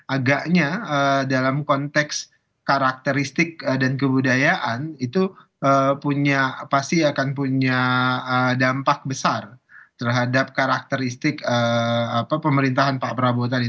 agaknya dalam konteks karakteristik dan kebudayaan itu pasti akan punya dampak besar terhadap karakteristik pemerintahan pak prabowo tadi